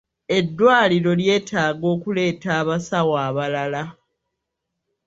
Eddwaliro lyetaaga okuleeta abasawo abalala.